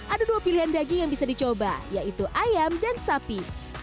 ada dua pilihan daging yang bisa dicoba yaitu ayam dan sapi